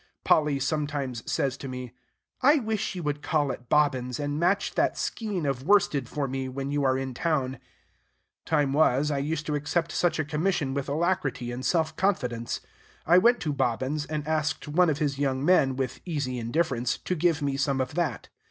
Polly sometimes says to me, "I wish you would call at Bobbin's, and match that skein of worsted for me, when you are in town." Time was, I used to accept such a commission with alacrity and self confidence. I went to Bobbin's, and asked one of his young men, with easy indifference, to give me some of that.